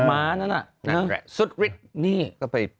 อ้าวนั่นอ่ะนั่นแหละสุดฤทธิ์